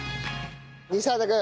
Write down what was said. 西畑君。